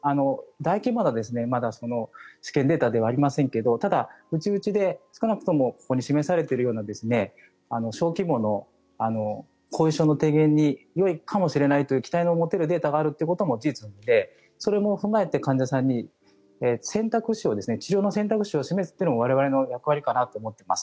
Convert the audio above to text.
大規模な試験データではありませんがただ内々で、少なくともここに示されているような小規模の後遺症の低減によいかもしれないという期待の持てるデータがあるということも事実なのでそれも踏まえて患者さんに選択肢を示すというのも我々の役割かなと思っています。